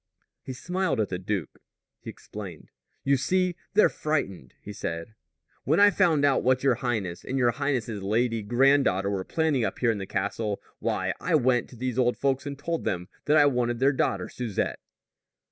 He smiled at the duke. He explained. "You see, they're frightened," he said. "When I found out what your highness and your highness's lady granddaughter were planning up here in the castle, why, I went to these old folks and told them that I wanted their daughter Susette."